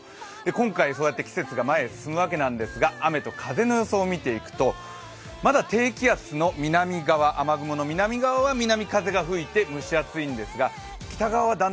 今回そうやって季節が前に進むわけなんですが雨と風の予想を見ていくと、まだ低気圧の南側、雨雲の南側は南風が吹いて蒸し暑いです。